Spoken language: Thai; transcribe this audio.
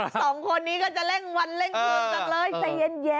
สองคนนี้ก็จะเล่นวันเล่นกลุ่มกันเลย